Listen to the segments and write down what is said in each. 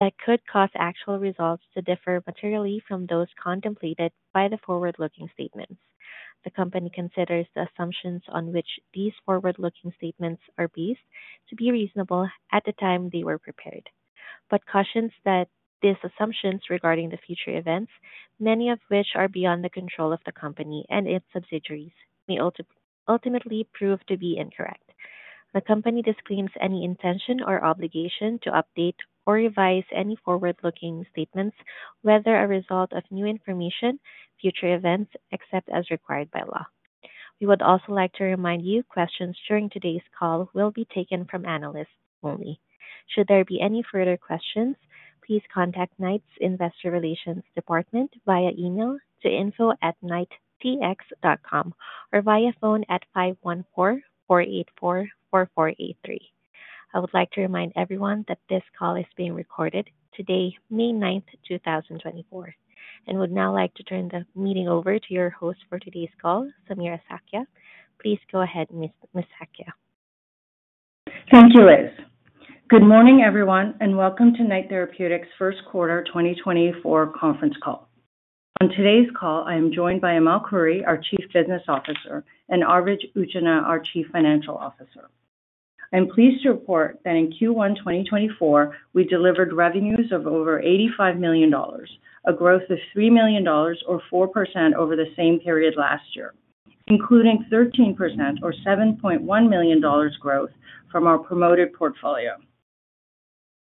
That could cause actual results to differ materially from those contemplated by the forward-looking statements. The company considers the assumptions on which these forward-looking statements are based to be reasonable at the time they were prepared, but cautions that these assumptions regarding the future events, many of which are beyond the control of the company and its subsidiaries, may ultimately prove to be incorrect. The company disclaims any intention or obligation to update or revise any forward-looking statements, whether a result of new information, future events, except as required by law. We would also like to remind you questions during today's call will be taken from analysts only. Should there be any further questions, please contact Knight's Investor Relations Department via email to info@knighttx.com or via phone at 514-484-4483. I would like to remind everyone that this call is being recorded today, May 9th, 2024, and would now like to turn the meeting over to your host for today's call, Samira Sakhia. Please go ahead, Ms. Sakhia. Thank you, Liz. Good morning, everyone, and welcome to Knight Therapeutics' first quarter 2024 conference call. On today's call, I am joined by Amal Khouri, our Chief Business Officer, and Arvind Utchanah, our Chief Financial Officer. I am pleased to report that in Q1 2024 we delivered revenues of over 85 million dollars, a growth of 3 million dollars or 4% over the same period last year, including 13% or 7.1 million dollars growth from our promoted portfolio.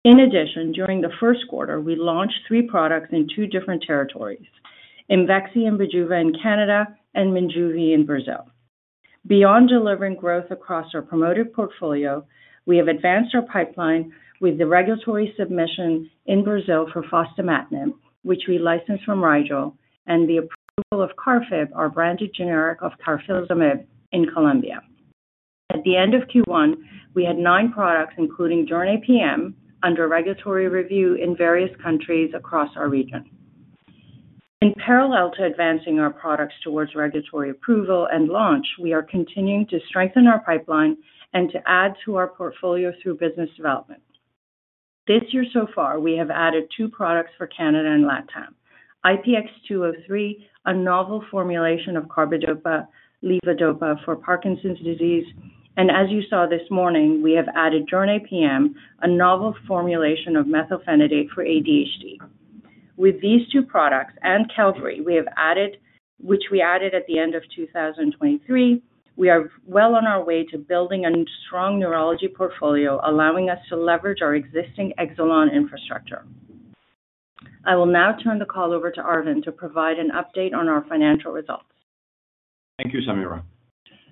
In addition, during the first quarter we launched three products in two different territories: Imvexxy and Bijuva in Canada, and Minjuvi in Brazil. Beyond delivering growth across our promoted portfolio, we have advanced our pipeline with the regulatory submission in Brazil for fostamatinib, which we licensed from Rigel, and the approval of Carfib, our branded generic of carfilzomib, in Colombia. At the end of Q1 we had nine products, including Jornay PM, under regulatory review in various countries across our region. In parallel to advancing our products towards regulatory approval and launch, we are continuing to strengthen our pipeline and to add to our portfolio through business development. This year so far we have added two products for Canada and LATAM: IPX203, a novel formulation of carbidopa/levodopa for Parkinson's disease, and as you saw this morning we have added Jornay PM, a novel formulation of methylphenidate for ADHD. With these two products and Qelbree we have added, which we added at the end of 2023, we are well on our way to building a strong neurology portfolio allowing us to leverage our existing Exelon infrastructure. I will now turn the call over to Arvind to provide an update on our financial results. Thank you, Samira.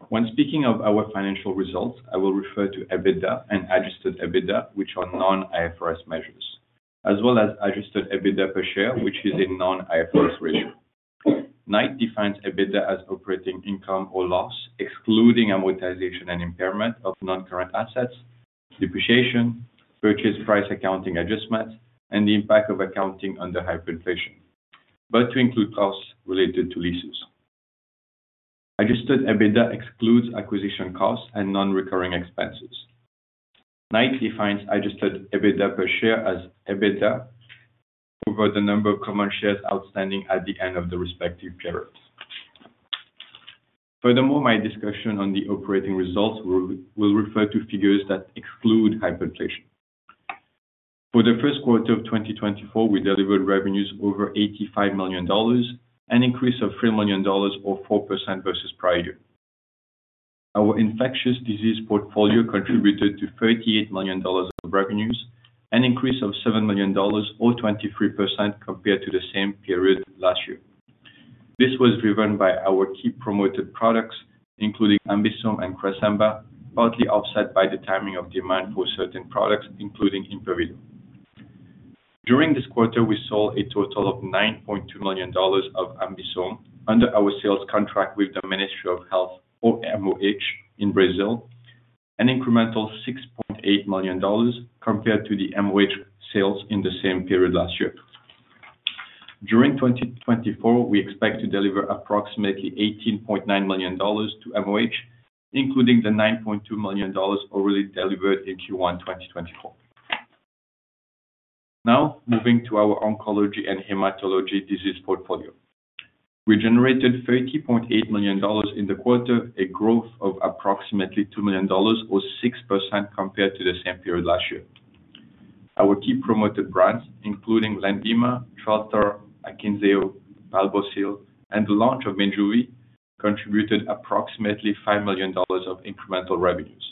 When speaking of our financial results I will refer to EBITDA and adjusted EBITDA, which are non-IFRS measures, as well as adjusted EBITDA per share, which is a non-IFRS ratio. Knight defines EBITDA as operating income or loss excluding amortization and impairment of non-current assets, depreciation, purchase price accounting adjustments, and the impact of accounting under hyperinflation, but to include costs related to leases. Adjusted EBITDA excludes acquisition costs and non-recurring expenses. Knight defines adjusted EBITDA per share as EBITDA over the number of common shares outstanding at the end of the respective period. Furthermore, my discussion on the operating results will refer to figures that exclude hyperinflation. For the first quarter of 2024 we delivered revenues over 85 million dollars, an increase of 3 million dollars or 4% versus prior year. Our infectious disease portfolio contributed to 38 million dollars of revenues, an increase of 7 million dollars or 23% compared to the same period last year. This was driven by our key promoted products, including AmBisome and Cresemba, partly offset by the timing of demand for certain products, including Impavido. During this quarter we sold a total of 9.2 million dollars of AmBisome under our sales contract with the Ministry of Health, or MOH, in Brazil, an incremental 6.8 million dollars compared to the MOH sales in the same period last year. During 2024 we expect to deliver approximately 18.9 million dollars to MOH, including the 9.2 million dollars already delivered in Q1 2024. Now moving to our oncology and hematology disease portfolio. We generated 30.8 million dollars in the quarter, a growth of approximately 2 million dollars or 6% compared to the same period last year. Our key promoted brands, including Lenvima, Trelstar, Akynzeo, Palbocil, and the launch of Minjuvi, contributed approximately 5 million dollars of incremental revenues.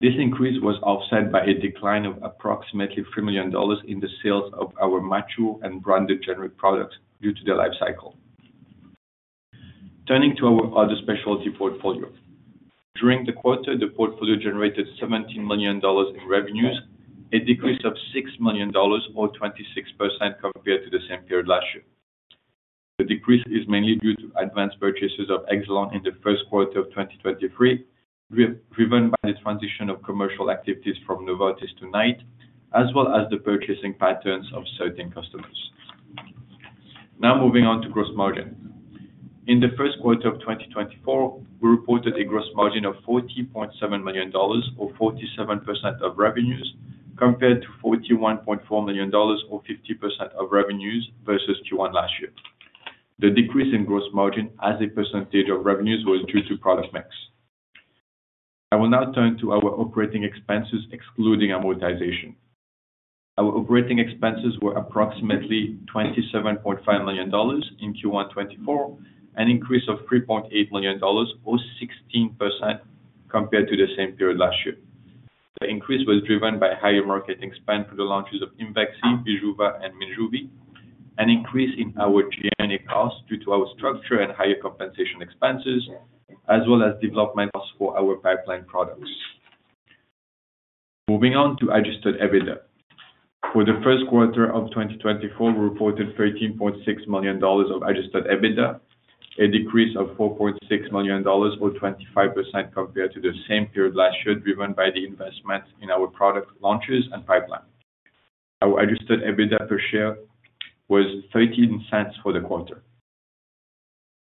This increase was offset by a decline of approximately 3 million dollars in the sales of our mature and branded generic products due to their lifecycle. Turning to our other specialty portfolio. During the quarter the portfolio generated CAD 17 million in revenues, a decrease of CAD 6 million or 26% compared to the same period last year. The decrease is mainly due to advanced purchases of Exelon in the first quarter of 2023, driven by the transition of commercial activities from Novartis to Knight, as well as the purchasing patterns of certain customers. Now moving on to gross margin. In the first quarter of 2024 we reported a gross margin of 40.7 million dollars or 47% of revenues, compared to 41.4 million dollars or 50% of revenues versus Q1 last year. The decrease in gross margin as a percentage of revenues was due to product mix. I will now turn to our operating expenses excluding amortization. Our operating expenses were approximately 27.5 million dollars in Q1 2024, an increase of 3.8 million dollars or 16% compared to the same period last year. The increase was driven by higher marketing spend for the launches of Imvexxy, Bijuva, and Minjuvi, an increase in our G&A costs due to our structure and higher compensation expenses, as well as development costs for our pipeline products. Moving on to adjusted EBITDA. For the first quarter of 2024 we reported 13.6 million dollars of adjusted EBITDA, a decrease of 4.6 million dollars or 25% compared to the same period last year driven by the investments in our product launches and pipeline. Our adjusted EBITDA per share was 0.13 for the quarter.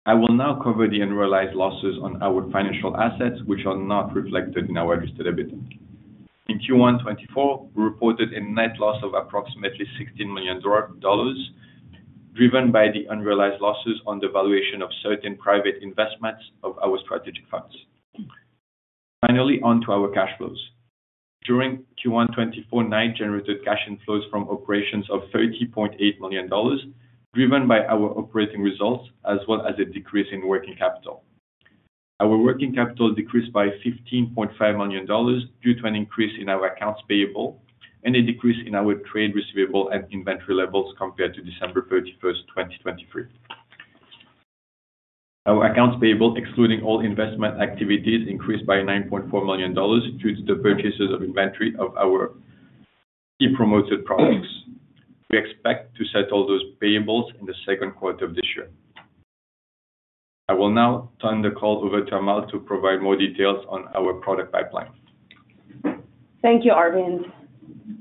I will now cover the annualized losses on our financial assets, which are not reflected in our adjusted EBITDA. In Q1 2024 we reported a net loss of approximately 16 million dollars, driven by the annualized losses on the valuation of certain private investments of our strategic funds. Finally, on to our cash flows. During Q1 2024 Knight generated cash inflows from operations of 30.8 million dollars, driven by our operating results as well as a decrease in working capital. Our working capital decreased by 15.5 million dollars due to an increase in our accounts payable and a decrease in our trade receivable and inventory levels compared to December 31st, 2023. Our accounts payable, excluding all investment activities, increased by 9.4 million dollars due to the purchases of inventory of our key promoted products. We expect to settle those payables in the second quarter of this year. I will now turn the call over to Amal to provide more details on our product pipeline. Thank you, Arvind.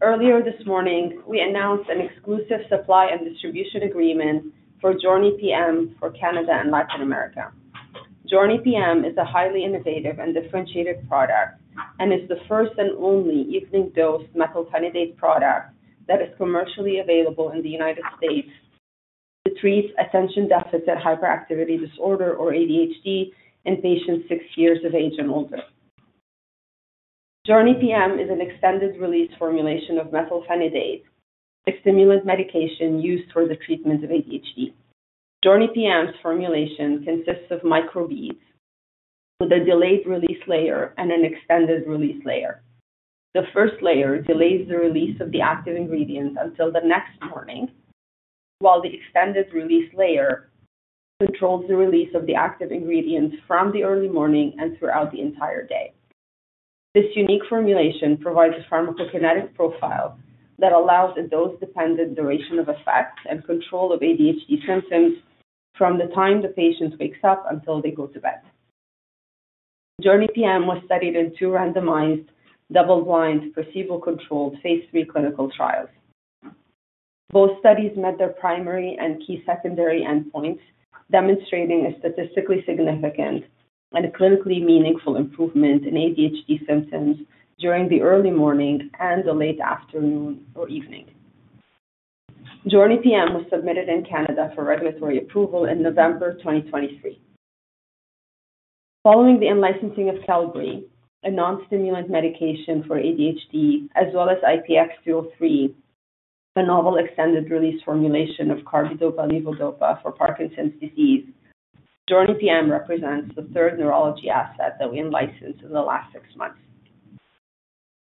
Earlier this morning we announced an exclusive supply and distribution agreement for Jornay PM for Canada and Latin America. Jornay PM is a highly innovative and differentiated product and is the first and only evening dose methylphenidate product that is commercially available in the United States to treat attention deficit hyperactivity disorder, or ADHD, in patients six years of age and older. Jornay PM is an extended-release formulation of methylphenidate, a stimulant medication used for the treatment of ADHD. Jornay PM's formulation consists of microbeads with a delayed-release layer and an extended-release layer. The first layer delays the release of the active ingredients until the next morning, while the extended-release layer controls the release of the active ingredients from the early morning and throughout the entire day. This unique formulation provides a pharmacokinetic profile that allows a dose-dependent duration of effect and control of ADHD symptoms from the time the patient wakes up until they go to bed. Jornay PM was studied in two randomized, double-blind, placebo-controlled phase III clinical trials. Both studies met their primary and key secondary endpoints, demonstrating a statistically significant and clinically meaningful improvement in ADHD symptoms during the early morning and the late afternoon or evening. Jornay PM was submitted in Canada for regulatory approval in November 2023. Following the in-licensing of Qelbree, a non-stimulant medication for ADHD, as well as IPX203, the novel extended-release formulation of carbidopa/levodopa for Parkinson's disease, Jornay PM represents the third neurology asset that we in-licensed in the last six months.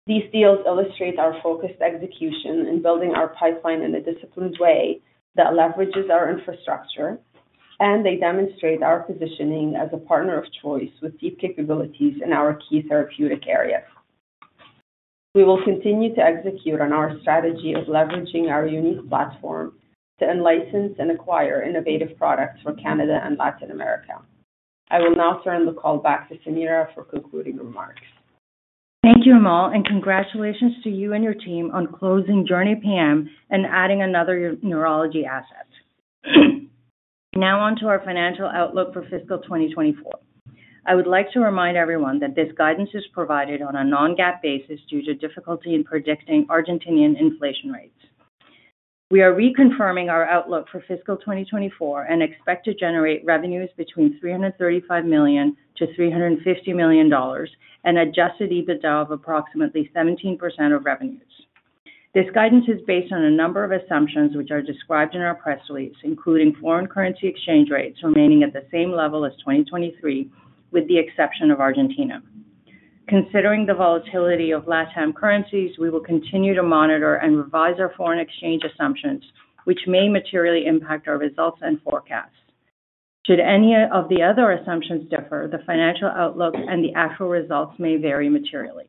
These deals illustrate our focused execution in building our pipeline in a disciplined way that leverages our infrastructure, and they demonstrate our positioning as a partner of choice with deep capabilities in our key therapeutic areas. We will continue to execute on our strategy of leveraging our unique platform to in-license and acquire innovative products for Canada and Latin America. I will now turn the call back to Samira for concluding remarks. Thank you, Amal, and congratulations to you and your team on closing Jornay PM and adding another neurology asset. Now on to our financial outlook for fiscal 2024. I would like to remind everyone that this guidance is provided on a non-GAAP basis due to difficulty in predicting Argentine inflation rates. We are reconfirming our outlook for fiscal 2024 and expect to generate revenues between 335 million-350 million dollars and adjusted EBITDA of approximately 17% of revenues. This guidance is based on a number of assumptions which are described in our press release, including foreign currency exchange rates remaining at the same level as 2023, with the exception of Argentina. Considering the volatility of LATAM currencies, we will continue to monitor and revise our foreign exchange assumptions, which may materially impact our results and forecasts. Should any of the other assumptions differ, the financial outlook and the actual results may vary materially.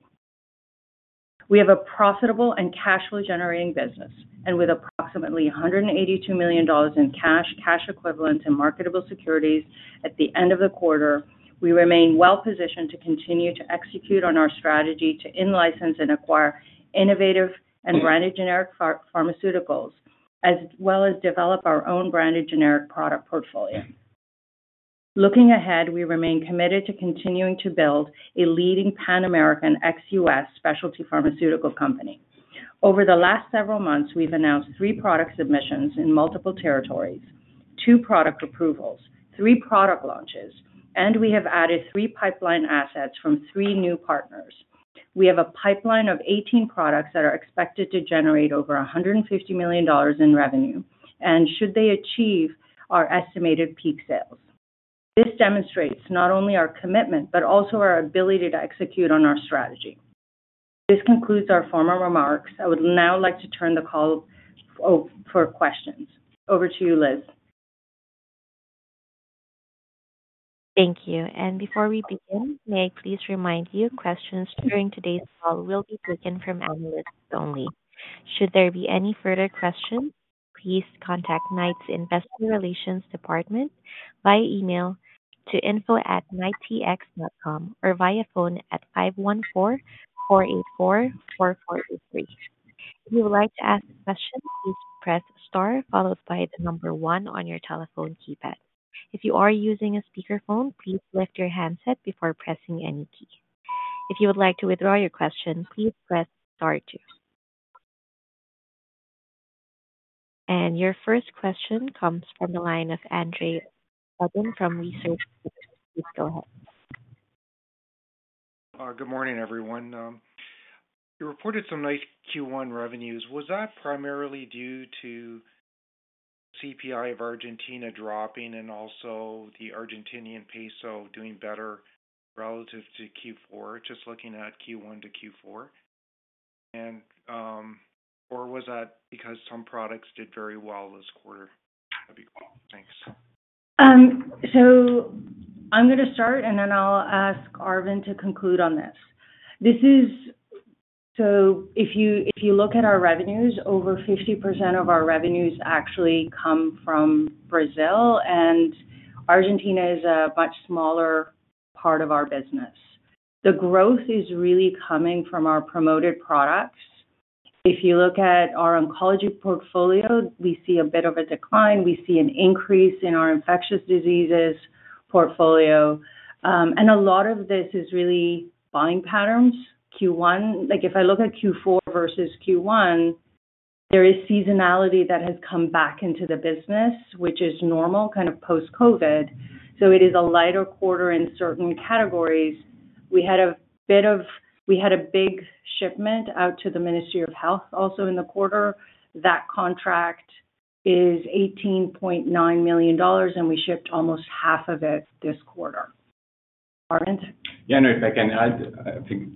We have a profitable and cash-flow-generating business, and with approximately 182 million dollars in cash, cash equivalents, and marketable securities at the end of the quarter, we remain well-positioned to continue to execute on our strategy to in-license and acquire innovative and branded generic pharmaceuticals, as well as develop our own branded generic product portfolio. Looking ahead, we remain committed to continuing to build a leading Pan-American ex-U.S. specialty pharmaceutical company. Over the last several months we've announced three product submissions in multiple territories, two product approvals, three product launches, and we have added three pipeline assets from three new partners. We have a pipeline of 18 products that are expected to generate over 150 million dollars in revenue, and should they achieve our estimated peak sales. This demonstrates not only our commitment but also our ability to execute on our strategy. This concludes our formal remarks. I would now like to turn the call for questions. Over to you, Liz. Thank you. Before we begin, may I please remind you, questions during today's call will be taken from analysts only. Should there be any further questions, please contact Knight's investor relations department via email to info@knighttx.com or via phone at 514-484-4483. If you would like to ask a question, please press * followed by the number one on your telephone keypad. If you are using a speakerphone, please lift your handset before pressing any key. If you would like to withdraw your question, please press star two. Your first question comes from the line of Andre Uddin from Research Capital Corporation. Please go ahead. Good morning, everyone. You reported some nice Q1 revenues. Was that primarily due to the CPI of Argentina dropping and also the Argentinian peso doing better relative to Q4, just looking at Q1 to Q4? Or was that because some products did very well this quarter? That'd be cool. Thanks. So I'm going to start, and then I'll ask Arvind to conclude on this. So if you look at our revenues, over 50% of our revenues actually come from Brazil, and Argentina is a much smaller part of our business. The growth is really coming from our promoted products. If you look at our oncology portfolio, we see a bit of a decline. We see an increase in our infectious diseases portfolio. And a lot of this is really buying patterns. If I look at Q4 versus Q1, there is seasonality that has come back into the business, which is normal, kind of post-COVID. So it is a lighter quarter in certain categories. We had a big shipment out to the Ministry of Health also in the quarter. That contract is $18.9 million, and we shipped almost half of it this quarter. Arvind? Yeah, I know if I can.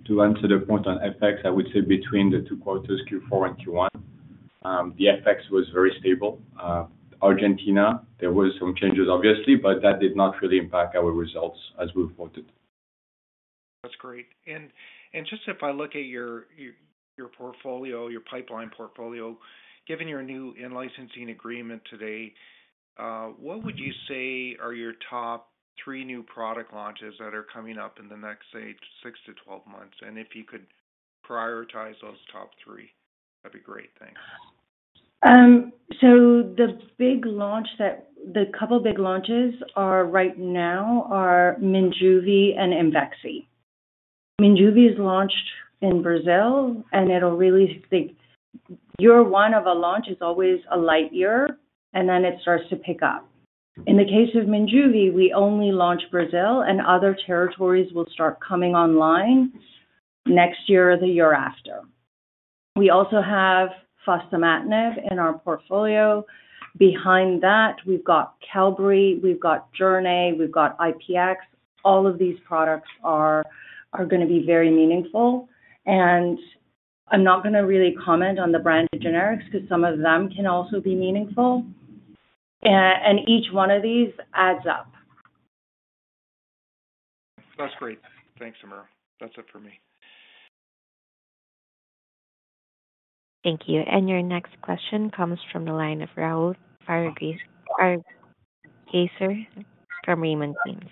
To answer the point on FX, I would say between the two quarters, Q4 and Q1, the FX was very stable. Argentina, there were some changes, obviously, but that did not really impact our results as we reported. That's great. Just if I look at your portfolio, your pipeline portfolio, given your new out-licensing agreement today, what would you say are your top three new product launches that are coming up in the next, say, 6-12 months? And if you could prioritize those top three, that'd be great. Thanks. So the big launch that the couple big launches right now are Minjuvi and Imvexxy. Minjuvi is launched in Brazil, and it'll really your one of a launch is always a light year, and then it starts to pick up. In the case of Minjuvi, we only launch Brazil, and other territories will start coming online next year or the year after. We also have fostamatinib in our portfolio. Behind that, we've got Carfib, we've got Jornay, we've got IPX. All of these products are going to be very meaningful. I'm not going to really comment on the branded generics because some of them can also be meaningful. Each one of these adds up. That's great. Thanks, Samira. That's it for me. Thank you. Your next question comes from the line of Rahul Sarugaser from Raymond James.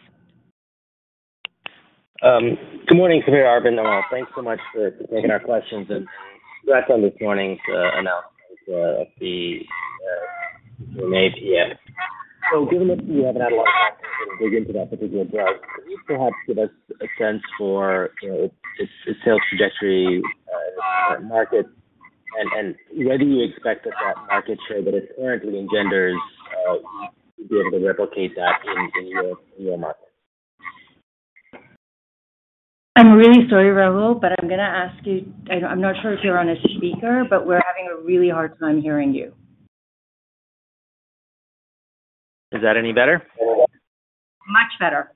Good morning, Samira Sakhia and Arvind Utchanah. Thanks so much for taking our questions and reacting on this morning's announcement of the Jornay PM. So given that we haven't had a lot of time to dig into that particular drug, could you perhaps give us a sense for its sales trajectory in the market and whether you expect that that market share that it currently engenders to be able to replicate that in your market? I'm really sorry, Rahul, but I'm going to ask you. I'm not sure if you're on a speaker, but we're having a really hard time hearing you. Is that any better? Much better.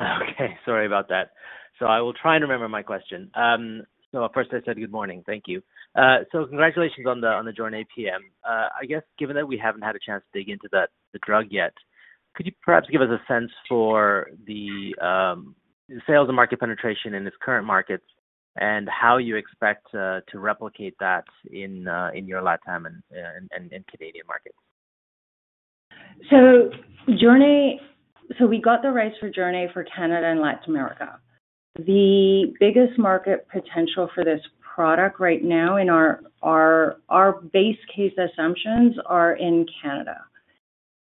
Okay. Sorry about that. So I will try and remember my question. So at first I said good morning. Thank you. So congratulations on the Jornay PM. I guess given that we haven't had a chance to dig into the drug yet, could you perhaps give us a sense for the sales and market penetration in its current markets and how you expect to replicate that in your LATAM and Canadian markets? So we got the rights for Jornay PM for Canada and Latin America. The biggest market potential for this product right now, in our base case assumptions, are in Canada.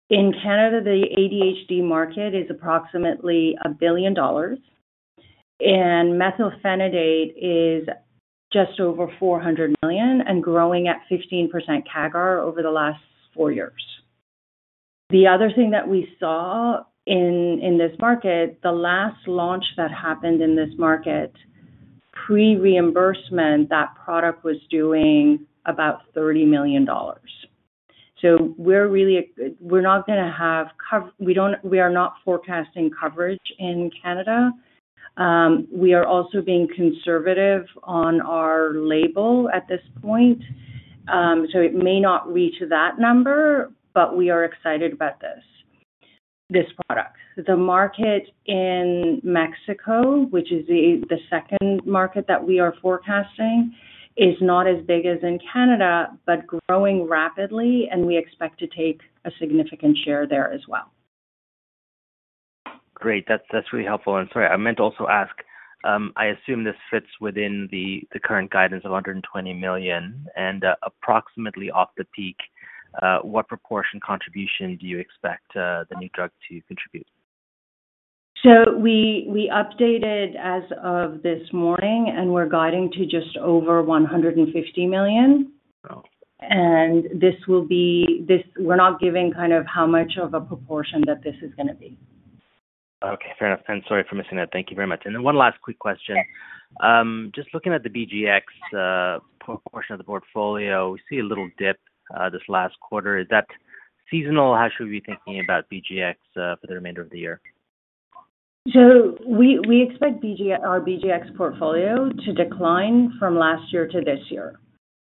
In Canada, the ADHD market is approximately 1 billion dollars, and methylphenidate is just over 400 million and growing at 15% CAGR over the last four years. The other thing that we saw in this market, the last launch that happened in this market, pre-reimbursement, that product was doing about 30 million dollars. So we are not forecasting coverage in Canada. We are also being conservative on our label at this point. So it may not reach that number, but we are excited about this product. The market in Mexico, which is the second market that we are forecasting, is not as big as in Canada but growing rapidly, and we expect to take a significant share there as well. Great. That's really helpful. Sorry, I meant to also ask, I assume this fits within the current guidance of 120 million. Approximately off the peak, what proportion contribution do you expect the new drug to contribute? We updated as of this morning, and we're guiding to just over 150 million. We're not giving kind of how much of a proportion that this is going to be. Okay. Fair enough. And sorry for missing that. Thank you very much. And then one last quick question. Just looking at the BGX portion of the portfolio, we see a little dip this last quarter. Is that seasonal? How should we be thinking about BGX for the remainder of the year? We expect our BGX portfolio to decline from last year to this year.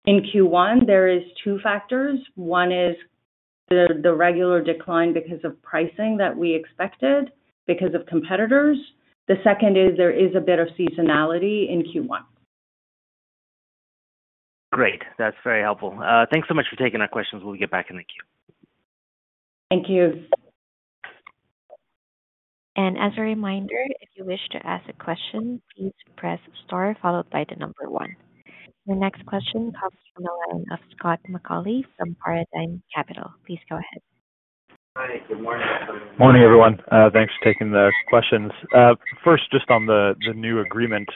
In Q1, there are two factors. One is the regular decline because of pricing that we expected because of competitors. The second is there is a bit of seasonality in Q1. Great. That's very helpful. Thanks so much for taking our questions. We'll get back in the queue. Thank you. As a reminder, if you wish to ask a question, please press * followed by one. Your next question comes from the line of Scott McAuley from Paradigm Capital. Please go ahead. Hi. Good morning, everyone. Thanks for taking the questions. First, just on the new agreement,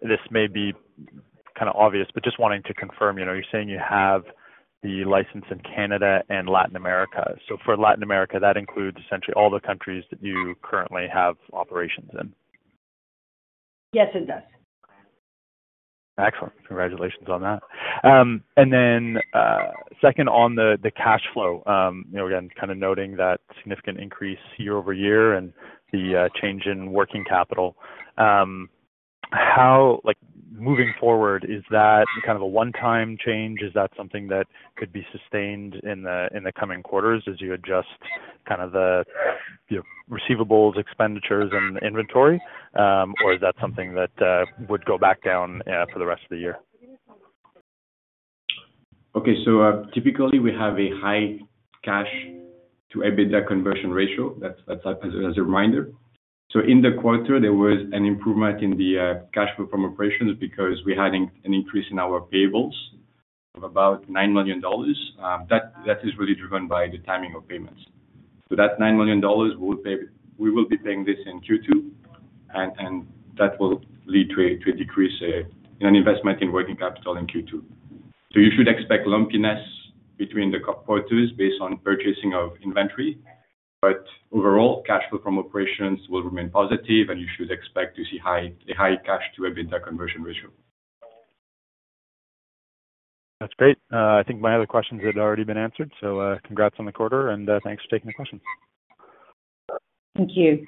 this may be kind of obvious, but just wanting to confirm, you're saying you have the license in Canada and Latin America. So for Latin America, that includes essentially all the countries that you currently have operations in? Yes, it does. Excellent. Congratulations on that. And then second, on the cash flow, again, kind of noting that significant increase year-over-year and the change in working capital, moving forward, is that kind of a one-time change? Is that something that could be sustained in the coming quarters as you adjust kind of the receivables, expenditures, and inventory? Or is that something that would go back down for the rest of the year? Okay. So typically, we have a high cash-to-EBITDA conversion ratio. That's as a reminder. So in the quarter, there was an improvement in the cash flow from operations because we had an increase in our payables of about 9 million dollars. That is really driven by the timing of payments. So that 9 million dollars, we will be paying this in Q2, and that will lead to a decrease in an investment in working capital in Q2. So you should expect lumpiness between the quarters based on purchasing of inventory. But overall, cash flow from operations will remain positive, and you should expect to see a high cash-to-EBITDA conversion ratio. That's great. I think my other questions had already been answered. So congrats on the quarter, and thanks for taking the questions. Thank you.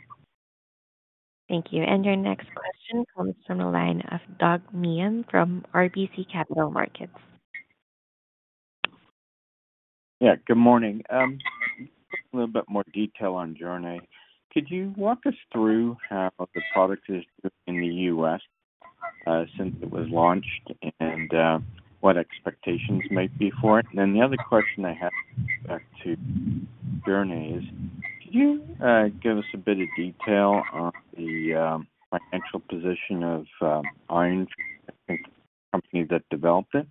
Thank you. Your next question comes from the line of Doug Miehm from RBC Capital Markets. Yeah. Good morning. A little bit more detail on Jornay. Could you walk us through how the product is doing in the U.S. since it was launched and what expectations might be for it? And then the other question I have back to Jornay is, could you give us a bit of detail on the financial position of Ironshore, I think, the company that developed it?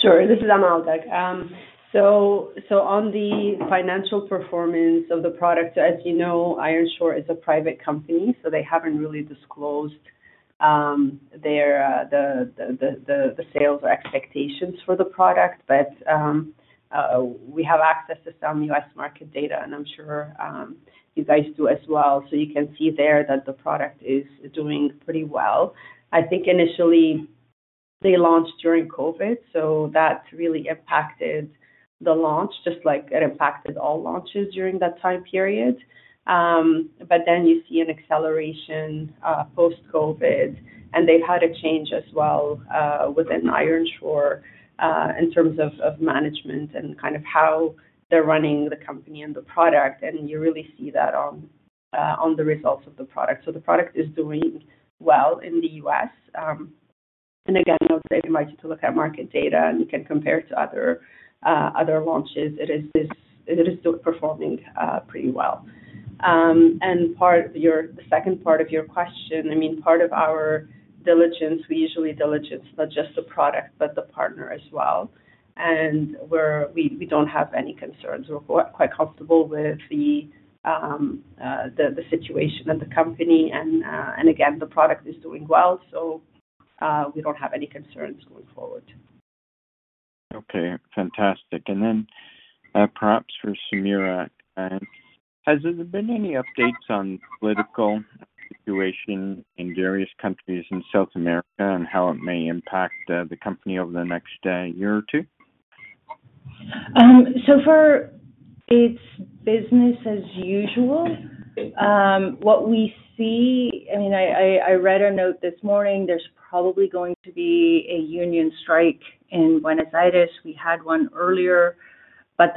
Sure. This is Amal Khouri. So on the financial performance of the product, so as you know, Ironshore is a private company, so they haven't really disclosed the sales or expectations for the product. But we have access to some U.S. market data, and I'm sure you guys do as well. So you can see there that the product is doing pretty well. I think initially, they launched during COVID, so that really impacted the launch, just like it impacted all launches during that time period. But then you see an acceleration post-COVID, and they've had a change as well within Ironshore in terms of management and kind of how they're running the company and the product. And you really see that on the results of the product. So the product is doing well in the U.S. And again, I would say I invite you to look at market data, and you can compare it to other launches. It is performing pretty well. And the second part of your question, I mean, part of our diligence, we usually diligence not just the product but the partner as well. And we don't have any concerns. We're quite comfortable with the situation at the company. And again, the product is doing well, so we don't have any concerns going forward. Okay. Fantastic. And then perhaps for Samira, has there been any updates on the political situation in various countries in South America and how it may impact the company over the next year or two? So for us business as usual, what we see I mean, I read a note this morning. There's probably going to be a union strike in Buenos Aires. We had one earlier, but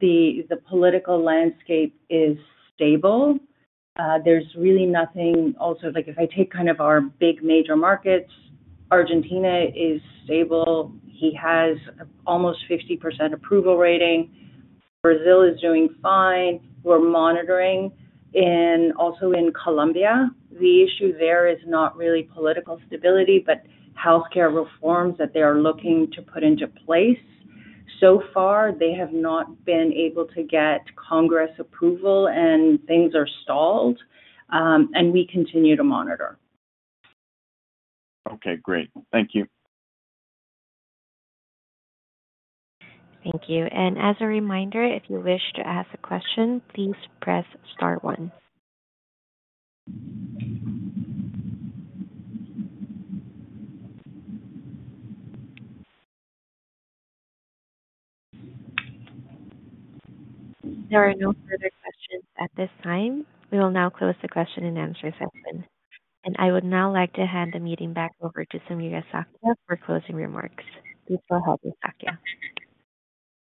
the political landscape is stable. There's really nothing also if I take kind of our big major markets, Argentina is stable. He has almost 50% approval rating. Brazil is doing fine. We're monitoring. And also in Colombia, the issue there is not really political stability, but healthcare reforms that they are looking to put into place. So far, they have not been able to get Congress approval, and things are stalled. And we continue to monitor. Okay. Great. Thank you. Thank you. As a reminder, if you wish to ask a question, please press star 1. There are no further questions at this time. We will now close the question-and-answer session. I would now like to hand the meeting back over to Samira Sakhia for closing remarks. Please go ahead, Sakhia.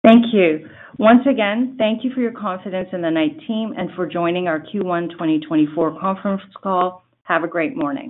Thank you. Once again, thank you for your confidence in the Knight team and for joining our Q1 2024 conference call. Have a great morning.